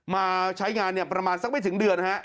มาใช้งานประมาณสักไม่ถึงเดือน